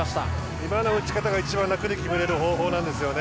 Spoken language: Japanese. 今の打ち方が一番楽に決められる方法なんですね。